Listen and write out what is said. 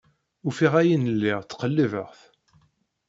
Ufiɣ ayen lliɣ ttqellibeɣ-t.